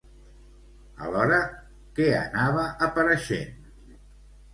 Alhora, què anava apareixent?